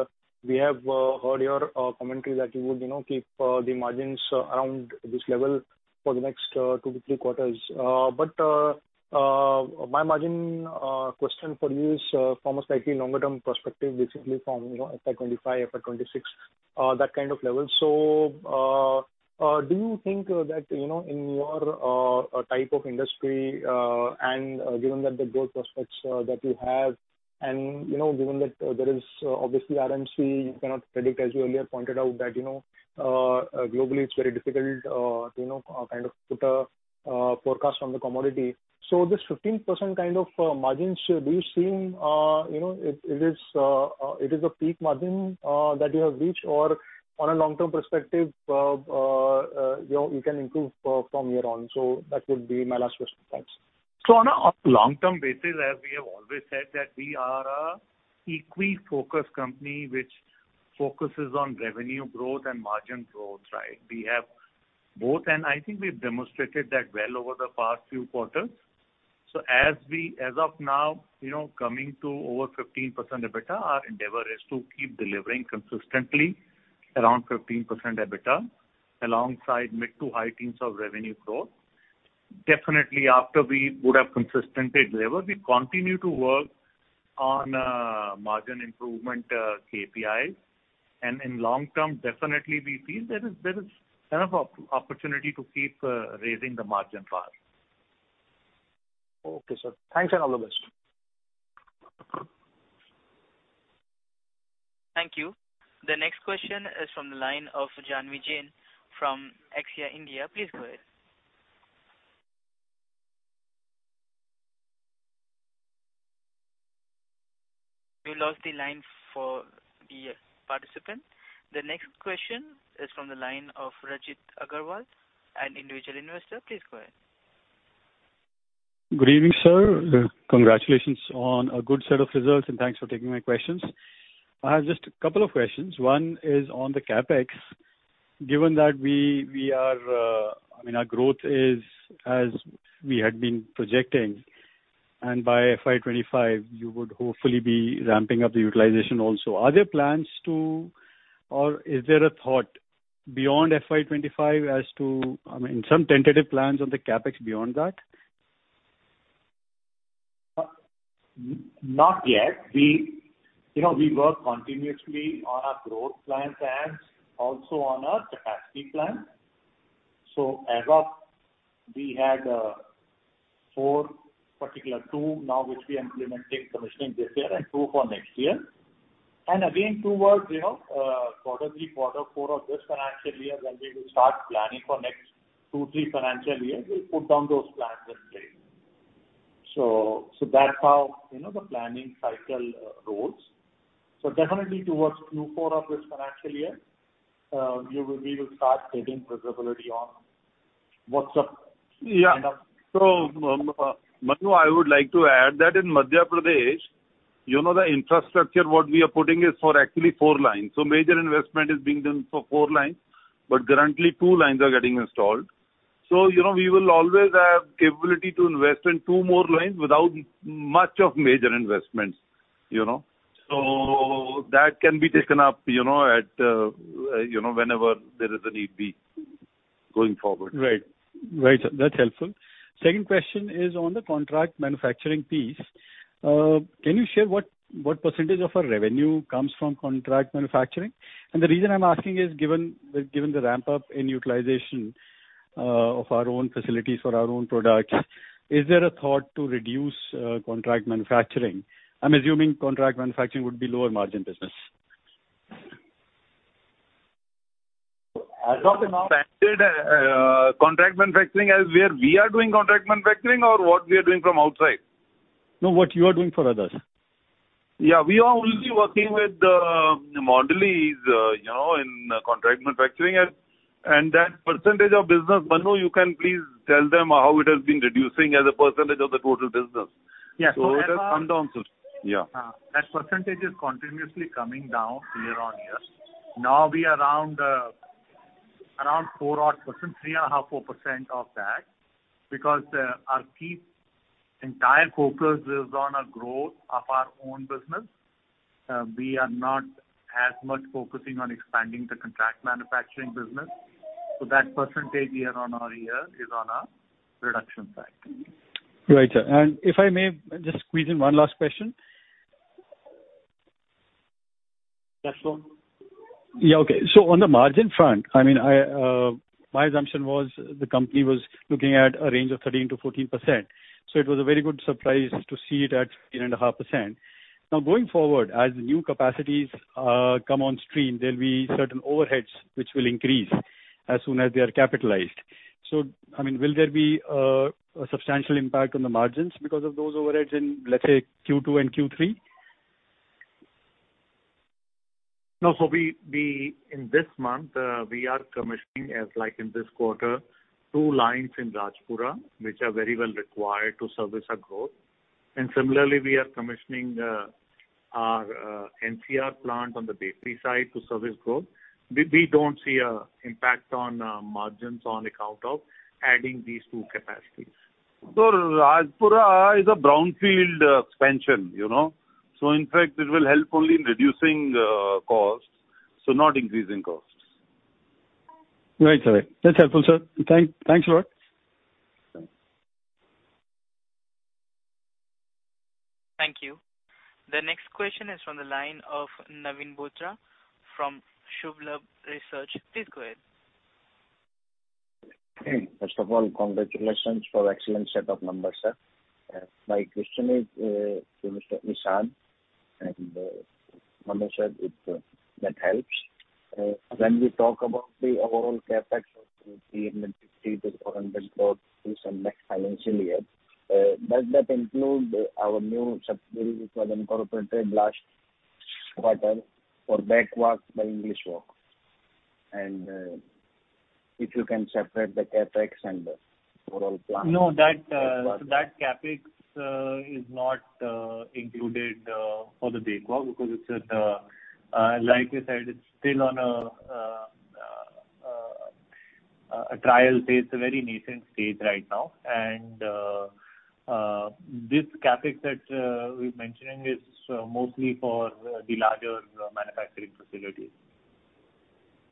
we have heard your commentary that you would keep the margins around this level for the next two to three quarters. But my margin question for you is from a slightly longer-term perspective, basically from FY25, FY26, that kind of level. So do you think that in your type of industry and given that the growth prospects that you have and given that there is obviously RMC, you cannot predict, as you earlier pointed out, that globally, it's very difficult to kind of put a forecast on the commodity? So this 15% kind of margin, do you see it is a peak margin that you have reached or on a long-term perspective, you can improve from year on? So that would be my last question. Thanks. So on a long-term basis, as we have always said, that we are an equally focused company which focuses on revenue growth and margin growth, right? And I think we've demonstrated that well over the past few quarters. So as of now, coming to over 15% EBITDA, our endeavor is to keep delivering consistently around 15% EBITDA alongside mid to high teens of revenue growth. Definitely, after we would have consistently delivered, we continue to work on margin improvement KPIs. And in long term, definitely, we feel there is kind of an opportunity to keep raising the margin bar. Okay, sir. Thanks and all the best. Thank you. The next question is from the line of Jhanvi Jain from Aequitas Investment Consultancy. Please go ahead. We lost the line for the participant. The next question is from the line of Rajit Agarwal, an individual investor. Please go ahead. Good evening, sir. Congratulations on a good set of results, and thanks for taking my questions. I have just a couple of questions. One is on the CapEx. Given that we are, I mean, our growth is as we had been projecting, and by FY25, you would hopefully be ramping up the utilization also, are there plans to or is there a thought beyond FY25 as to, I mean, some tentative plans on the CapEx beyond that? Not yet. We work continuously on our growth plans and also on our capacity plans. So as of now, we have four, particularly two now which we are implementing, commissioning this year and two for next year. And again, towards quarter three, quarter four of this financial year, when we will start planning for next two, three financial years, we'll put down those plans in place. So that's how the planning cycle rolls. So definitely, towards Q4 of this financial year, we will start getting visibility on what's up. Yeah. So Manu, I would like to add that in Madhya Pradesh, the infrastructure what we are putting is for actually four lines. So major investment is being done for four lines, but currently, two lines are getting installed. So we will always have capability to invest in two more lines without much of major investments. So that can be taken up whenever there is a need be going forward. Right. Right, sir. That's helpful. Second question is on the contract manufacturing piece. Can you share what percentage of our revenue comes from contract manufacturing? And the reason I'm asking is given the ramp-up in utilization of our own facilities for our own products, is there a thought to reduce contract manufacturing? I'm assuming contract manufacturing would be lower margin business. As of now. Is contract manufacturing as where we are doing contract manufacturing or what we are doing from outside? No, what you are doing for others. Yeah. We are only working with Mondelez in contract manufacturing. And that percentage of business, Manu, you can please tell them how it has been reducing as a percentage of the total business. So it has come down. Yeah. Yeah. That percentage is continuously coming down year-on-year. Now, we are around 4-odd%, 3.5, 4% of that because our key entire focus is on our growth of our own business. We are not as much focusing on expanding the contract manufacturing business. So that percentage year-on-year is on our reduction side. Right, sir. And if I may just squeeze in one last question. Yes, sir. Yeah. Okay. So on the margin front, I mean, my assumption was the company was looking at a range of 13%-14%. So it was a very good surprise to see it at 13.5%. Now, going forward, as the new capacities come on stream, there'll be certain overheads which will increase as soon as they are capitalized. So I mean, will there be a substantial impact on the margins because of those overheads in, let's say, Q2 and Q3? No. So in this month, we are commissioning, as in this quarter, 2 lines in Rajpura which are very well required to service our growth. And similarly, we are commissioning our NCR plant on the bakery side to service growth. We don't see an impact on margins on account of adding these 2 capacities. Rajpura is a brownfield expansion. In fact, it will help only in reducing costs, so not increasing costs. Right, sir. That's helpful, sir. Thanks a lot. Thank you. The next question is from the line of Naveen Bhutra from Shubh Labh Research. Please go ahead. Hey. First of all, congratulations for an excellent set of numbers, sir. My question is to Mr. Ishaan. And Manu said that helps. When we talk about the overall CapEx of the NPD to the current growth piece and next financial year, does that include our new subsidiary which was incorporated last quarter for BACK by English Oven? And if you can separate the CapEx and the overall plan. No, that CapEx is not included for the BACK because it's like I said, it's still on a trial stage. It's a very nascent stage right now. This CapEx that we're mentioning is mostly for the larger manufacturing facilities.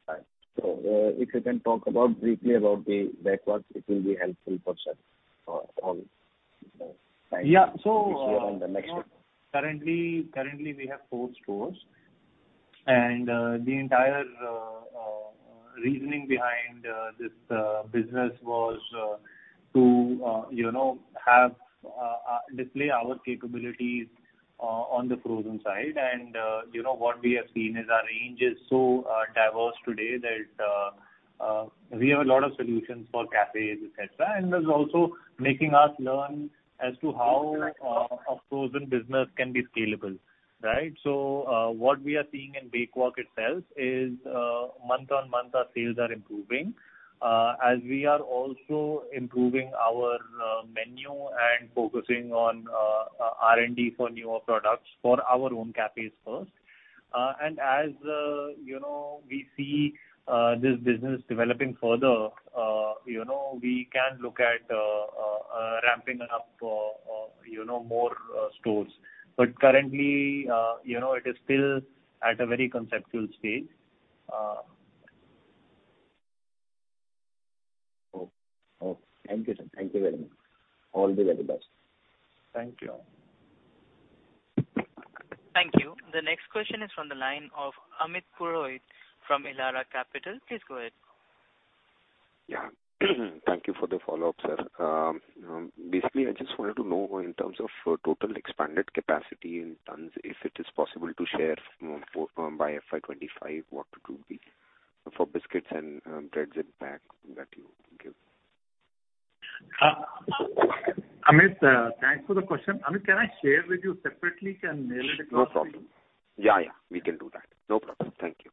Right. So if you can talk briefly about the BACK, it will be helpful for us all this year and the next year. Yeah. So currently, we have four stores. And the entire reasoning behind this business was to display our capabilities on the frozen side. And what we have seen is our range is so diverse today that we have a lot of solutions for cafés, etc. And it's also making us learn as to how a frozen business can be scalable, right? So what we are seeing in English Oven itself is month-on-month, our sales are improving as we are also improving our menu and focusing on R&D for newer products for our own cafés first. And as we see this business developing further, we can look at ramping up more stores. But currently, it is still at a very conceptual stage. Okay. Thank you, sir. Thank you very much. All the very best. Thank you. Thank you. The next question is from the line of Amit Purohit from Elara Capital. Please go ahead. Yeah. Thank you for the follow-up, sir. Basically, I just wanted to know in terms of total expanded capacity in tons, if it is possible to share by FY25, what would it be for biscuits and breads and pack that you give? Amit, thanks for the question. Amit, can I share with you separately? Can I mail it across? No problem. Yeah, yeah. We can do that. No problem. Thank you. Thank you.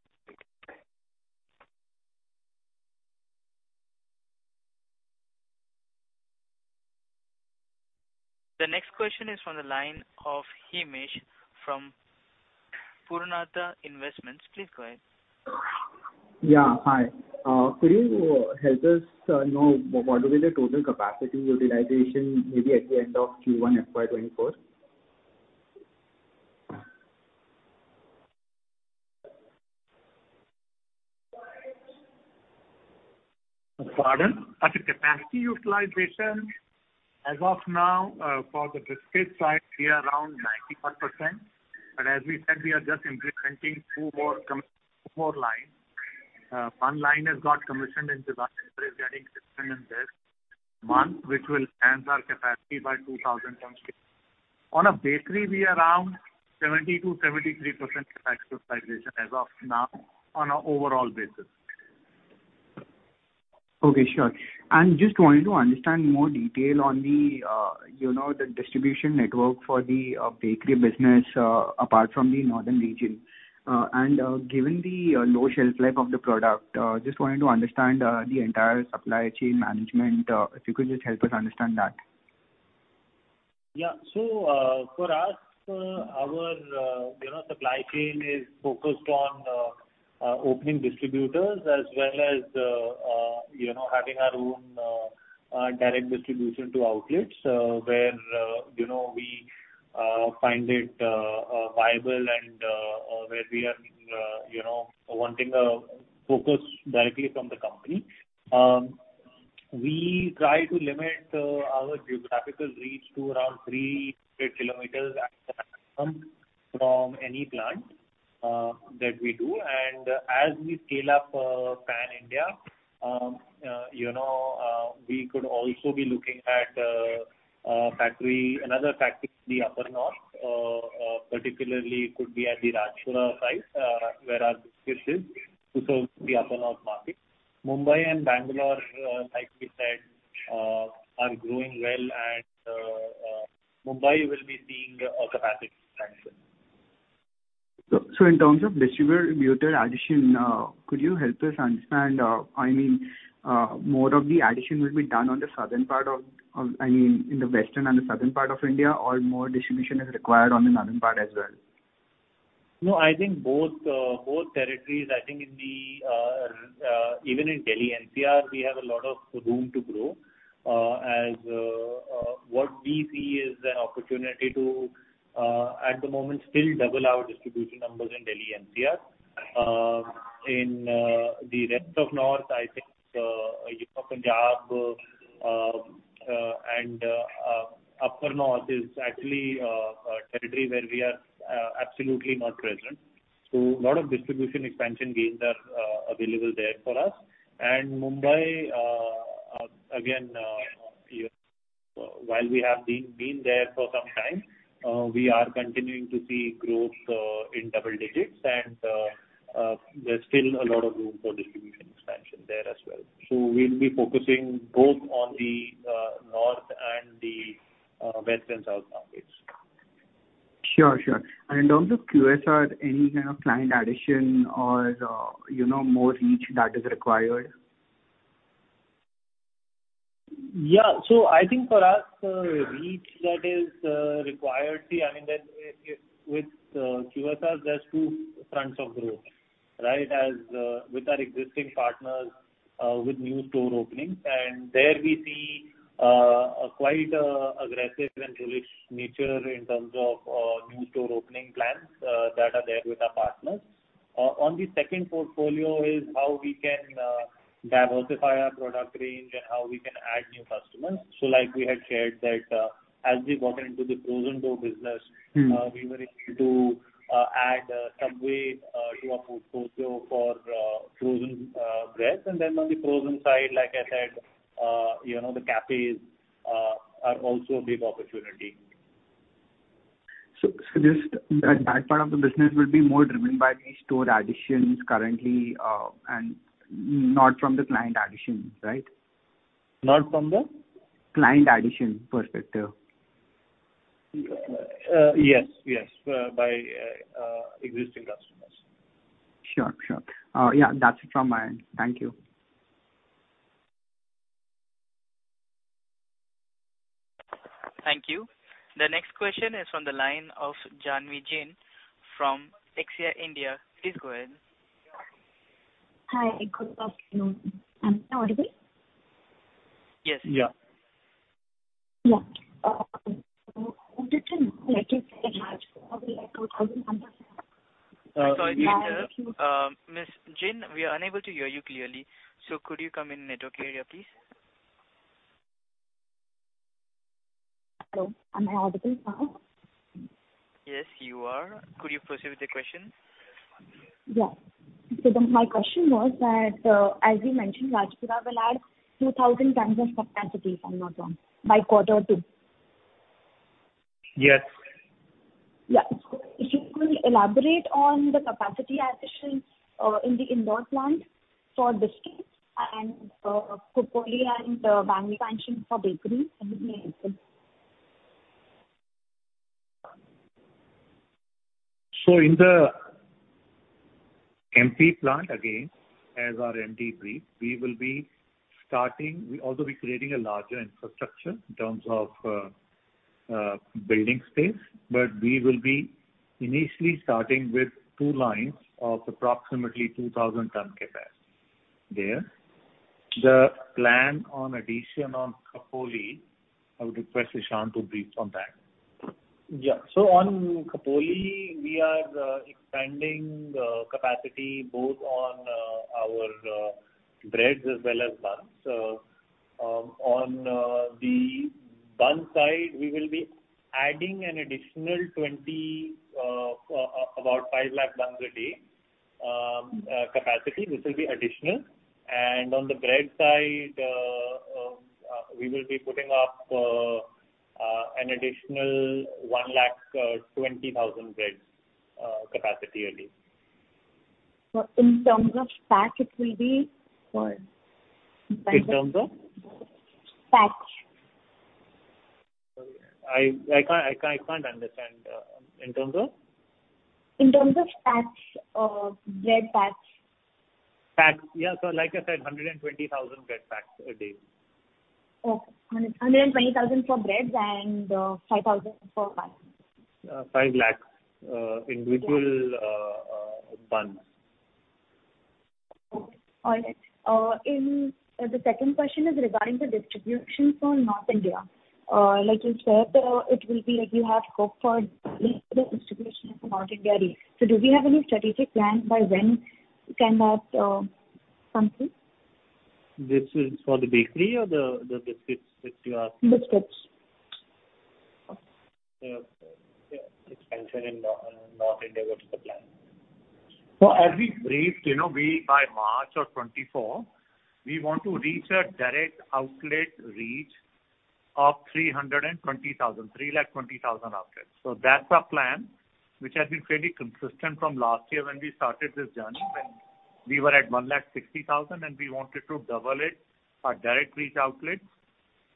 The next question is from the line of Himesh from Purnartha Investment Advisers. Please go ahead. Yeah. Hi. Could you help us know what will be the total capacity utilization maybe at the end of Q1 FY2024? Pardon? As a capacity utilization, as of now, for the biscuit side, we are around 95%. But as we said, we are just implementing two more lines. One line has got commissioned in July and is getting 600 in this month, which will enhance our capacity by 2,000 tons. On a bakery, we are around 70%-73% capacity utilization as of now on an overall basis. Okay. Sure. Just wanting to understand more detail on the distribution network for the bakery business apart from the northern region. Given the low shelf life of the product, just wanting to understand the entire supply chain management, if you could just help us understand that? Yeah. So for us, our supply chain is focused on opening distributors as well as having our own direct distribution to outlets where we find it viable and where we are wanting a focus directly from the company. We try to limit our geographical reach to around 300 km from any plant that we do. As we scale up pan-India, we could also be looking at another factory in the upper north, particularly could be at the Rajpura site where our biscuit is to serve the upper north market. Mumbai and Bangalore, like we said, are growing well, and Mumbai will be seeing a capacity expansion. So in terms of distribution addition, could you help us understand? I mean, more of the addition will be done on the southern part of—I mean, in the western and the southern part of India, or more distribution is required on the northern part as well? No, I think both territories. I think even in Delhi NCR, we have a lot of room to grow. What we see is an opportunity to, at the moment, still double our distribution numbers in Delhi NCR. In the rest of north, I think Punjab and upper north is actually a territory where we are absolutely not present. So a lot of distribution expansion gains are available there for us. And Mumbai, again, while we have been there for some time, we are continuing to see growth in double digits, and there's still a lot of room for distribution expansion there as well. So we'll be focusing both on the north and the west and south markets. Sure, sure. And in terms of QSR, any kind of client addition or more reach that is required? Yeah. So I think for us, the reach that is required, see, I mean, with QSR, there's two fronts of growth, right, with our existing partners with new store openings. And there, we see quite an aggressive and bullish nature in terms of new store opening plans that are there with our partners. On the second front is how we can diversify our product range and how we can add new customers. So like we had shared that as we got into the frozen food business, we were able to add Subway to our portfolio for frozen breads. And then on the frozen side, like I said, the cafés are also a big opportunity. So that part of the business will be more driven by these store additions currently and not from the client addition, right? Not from the? Client addition perspective. Yes, yes, by existing customers. Sure, sure. Yeah, that's it from my end. Thank you. Thank you. The next question is from the line of Jhanvi Jain from Aequitas Investment Consultancy. Please go ahead. Hi. Good afternoon. I'm audible? Yes. Yeah. Yeah. I'm sorry to interrupt. Ms. Jain, we are unable to hear you clearly. So could you come in network area, please? Hello. Am I audible now? Yes, you are. Could you proceed with the question? Yes. So my question was that, as you mentioned, Rajpura will add 2,000 tons of capacity, if I'm not wrong, by quarter two. Yes. Yes. If you could elaborate on the capacity addition in the Indore plant for biscuits and Khopoli and Bangalore expansion for bakery, if you can help us. So in the MP plant, again, as our MD briefed, we will be starting. We'll also be creating a larger infrastructure in terms of building space. But we will be initially starting with two lines of approximately 2,000-ton capacity there. The plan on addition on Khopoli, I would request Ishaan to brief on that. Yeah. So on Khopoli, we are expanding capacity both on our breads as well as buns. On the bun side, we will be adding an additional about 500,000 buns a day capacity. This will be additional. And on the bread side, we will be putting up an additional 120,000 breads capacity a day. In terms of pack, it will be for? In terms of? Pack. Sorry. I can't understand. In terms of? In terms of packs, bread packs. Packs. Yeah. So like I said, 120,000 bread packs a day. Okay. 120,000 for breads and 5,000 for buns? 500,000 individual buns. Okay. All right. The second question is regarding the distribution for North India. Like you said, it will be like you have hope for distribution for North India region. Do we have any strategic plan by when can that come through? This is for the bakery or the biscuits that you asked? Biscuits. Okay. Yeah. Expansion in North India, what's the plan? So as we briefed, by March 2024, we want to reach a direct outlet reach of 320,000, 320,000 outlets. So that's our plan, which has been fairly consistent from last year when we started this journey, when we were at 160,000, and we wanted to double our direct reach outlets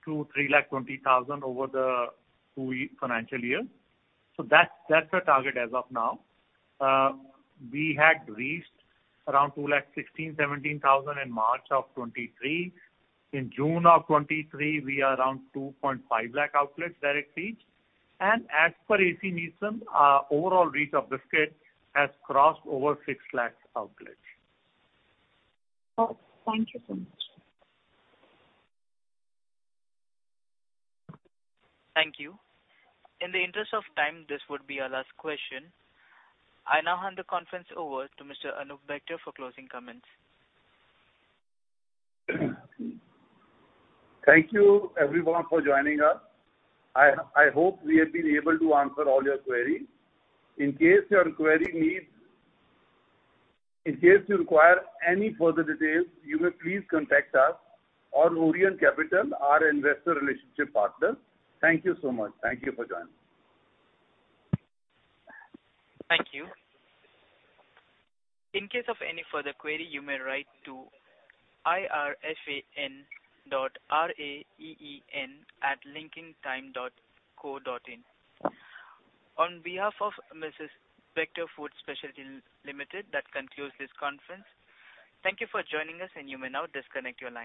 to 320,000 over the two financial years. So that's our target as of now. We had reached around 216,000-217,000 in March 2023. In June 2023, we are around 250,000 outlets direct reach. And as per A.C. Nielsen, our overall reach of biscuits has crossed over 600,000 outlets. Okay. Thank you so much. Thank you. In the interest of time, this would be our last question. I now hand the conference over to Mr. Anup Bector for closing comments. Thank you, everyone, for joining us. I hope we have been able to answer all your queries. In case you require any further details, you may please contact us or Orient Capital, our investor relationship partner. Thank you so much. Thank you for joining. Thank you. In case of any further query, you may write to irfan.raeen@linkintime.co.in. On behalf of Mrs. Bector Food Specialties Limited, that concludes this conference. Thank you for joining us, and you may now disconnect your line.